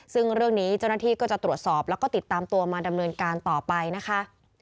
ซึ่งเรื่องนี้เจ้าหน้าที่ก็จะตรวจสอบแล้วก็ติดตามตัวมาดำเนินการต่อไปนะคะ